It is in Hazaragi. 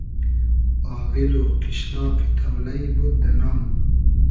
آغیل و قیشلاقی تۉلݷ بود دۂ نام